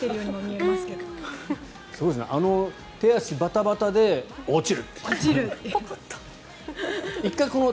あの手足バタバタで落ちるという。